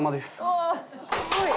わあすごい！